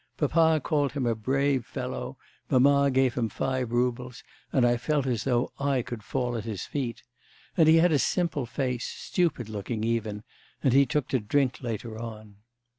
Papa called him a brave fellow, mamma gave him five roubles, and I felt as though I could fall at his feet. And he had a simple face stupid looking even and he took to drink later on....